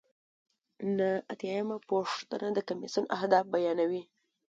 نهه اتیا یمه پوښتنه د کمیسیون اهداف بیانوي.